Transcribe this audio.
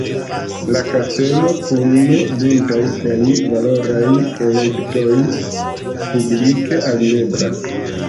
La kastelo kun buntaj kaj valoraj kolektoj publike alireblas.